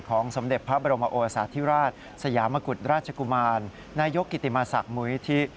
สมเด็จพระบรมโอสาธิราชสยามกุฎราชกุมารนายกกิติมาศักดิ์มูลนิธิ